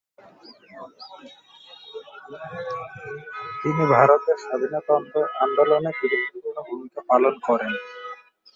তিনি ভারতের স্বাধীনতা আন্দোলনে গুরুত্বপূর্ণ ভূমিকা পালন করেন।